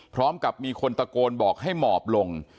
พร้อมกับมีคนตะโกนบอกให้หมอบลง